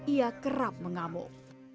ia kerap mengamuk